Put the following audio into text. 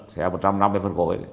xe một trăm năm mươi phân gội